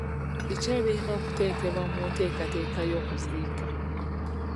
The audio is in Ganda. Biki ebirina okuteekebwa mu nteekateeka y'okuziika?